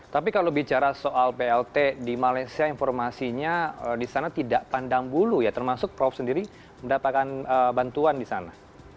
tapi kalau bicara soal plt di malaysia informasinya di sana tidak pandang bulu ya termasuk prof sendiri mendapatkan bantuan di sana